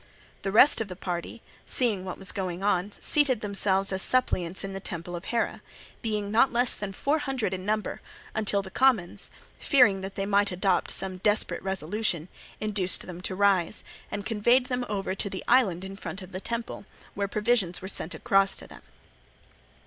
The rest of the party, seeing what was going on, seated themselves as suppliants in the temple of Hera, being not less than four hundred in number; until the commons, fearing that they might adopt some desperate resolution, induced them to rise, and conveyed them over to the island in front of the temple, where provisions were sent across to them.